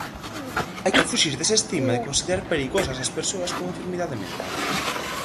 Hai que fuxir dese estigma de considerar perigosas as persoas cunha enfermidade mental.